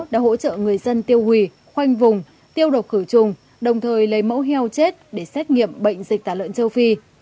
đã hỗ trợ người dân tiêu hủy khoanh vùng tiêu độc khử trùng đồng thời lấy mẫu heo chết để xét nghiệm bệnh dịch tả lợn châu phi